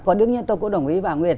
còn đương nhiên tôi cũng đồng ý bà nguyệt